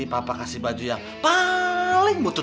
nanti papa kasih baju yang paling mutut